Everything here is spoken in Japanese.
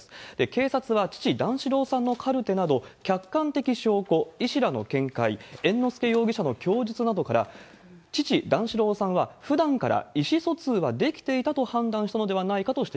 警察は父、段四郎さんのカルテなど客観的証拠、医師らの見解、猿之助容疑者の供述などから、父、段四郎さんはふだんから意思疎通はできていたと判断したのではな